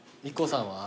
ＩＫＫＯさんは？